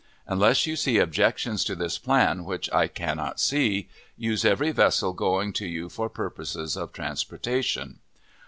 Unless you see objections to this plan which I cannot see, use every vessel going to you for purposes of transportation.